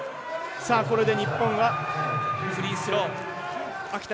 これで日本がフリースロー、秋田。